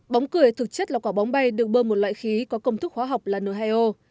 bóng cười thực chất là quả bóng bay được bơm một loại khí có công thức khoa học là nhio